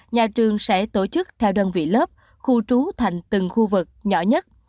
nhà trường sẽ tổ chức theo đơn vị lớp khu trú thành từng khu vực nhỏ nhất